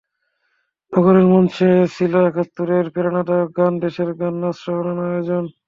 নগরের মঞ্চে মঞ্চে ছিল একাত্তরের প্রেরণাদায়ক গান, দেশের গান, নাচসহ নানা আয়োজন।